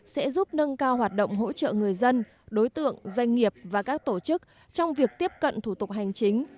sẽ giúp nâng cao hoạt động hỗ trợ người dân đối tượng doanh nghiệp và các tổ chức trong việc tiếp cận thủ tục hành chính